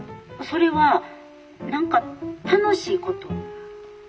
「それは何か楽しいこと？」。